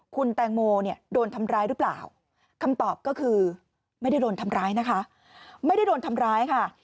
คุณแตงโมเนี่ยโดนทำร้ายหรือเปล่าคำตอบก็คือไม่ได้โดนทำร้ายนะคะไม่ได้โดนทำร้ายค่ะ